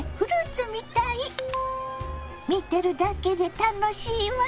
見てるだけで楽しいわ。